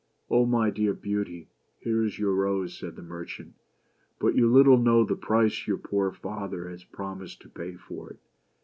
" Ah my dear Beauty, here is your rose," said tne merchant, " but you little know the price your poor father has promised to pay for it."